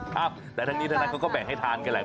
ครับแต่ทั้งนี้ทั้งนั้นเขาก็แบ่งให้ทานกันแหละ